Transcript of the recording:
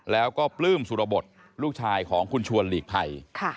แล้วก็ปลื้มสุรบทลูกชายของคุณชวนหลีกภัย